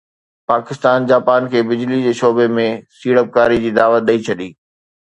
Pakistan Japan کي بجلي جي شعبي ۾ سيڙپڪاري جي دعوت ڏئي ڇڏي